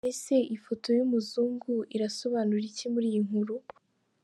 None se ifoto yumuzungu irasobanura iki muri iyi nkuru?.